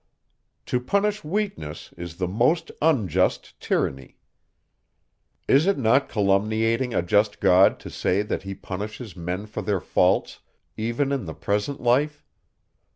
To punish weakness is the most unjust tyranny. Is it not calumniating a just God, to say, that he punishes men for their faults, even in the present life?